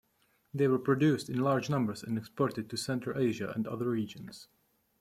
They were produced in large numbers and exported to Central Asia and other regions.